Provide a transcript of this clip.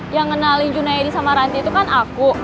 yang kenalin junedi sama ranti itu kan aku